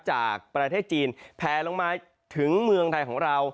จากประเทศจีนแพลลงมาถึงเมืองไทยของเรา